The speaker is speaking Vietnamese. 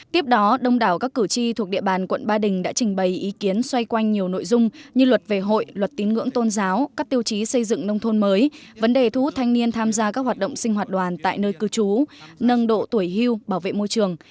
tiếp đó đông đảo các cử tri thuộc địa bàn quận ba đình đã trình bày ý kiến xoay quanh nhiều nội dung như luật về hội luật tín ngưỡng tôn giáo các tiêu chí xây dựng nông thôn mới vấn đề thu hút thanh niên tham gia các hoạt động sinh hoạt đoàn tại nơi cư trú nâng độ tuổi hưu bảo vệ môi trường